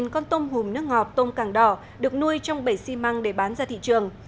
một mươi con tôm hùm nước ngọt tôm càng đỏ được nuôi trong bể xi măng để bán ra thị trường